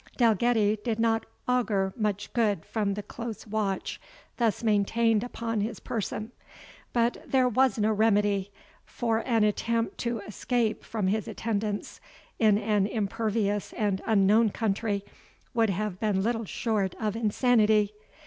Dalgetty did not augur much good from the close watch thus maintained upon his person; but there was no remedy, for an attempt to escape from his attendants in an impervious and unknown country, would have been little short of insanity.